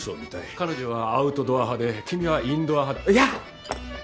彼女はアウトドア派で君はインドア派だやぁっ！